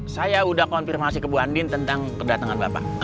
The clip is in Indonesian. saya sudah konfirmasi ke bu andin tentang kedatangan bapak